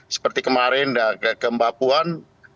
seperti kemarin ke mbapuan